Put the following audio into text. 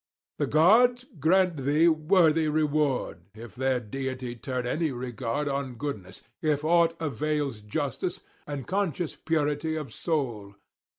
The gods grant thee worthy reward, if their deity turn any regard on goodness, if aught avails justice and conscious purity of soul.